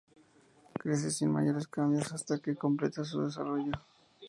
Crece sin mayores cambios hasta que completa su desarrollo.